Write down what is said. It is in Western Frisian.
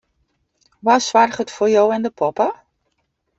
Wa soarget foar jo en de poppe?